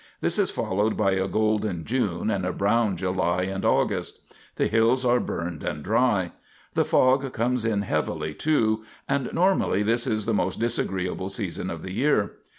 This is followed by a golden June and a brown July and August. The hills are burned and dry. The fog comes in heavily, too; and normally this is the most disagreeable season of the year.